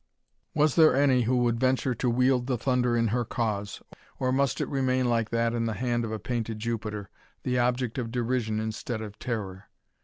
Was there any who would venture to wield the thunder in her cause, or must it remain like that in the hand of a painted Jupiter, the object of derision instead of terror?